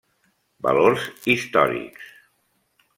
Valors històrics.